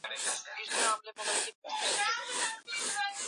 Na kila mmoja aweze kushikilia kaboni nyingi kama